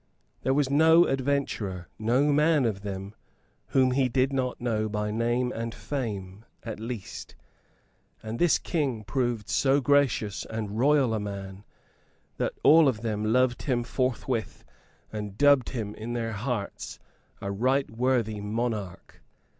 There was no adventurer, no man of them whom he did not know by name and fame, at least; and this King proved so gracious and royal a man that all of them loved him forthwith and dubbed him in their hearts a right worthy monarch.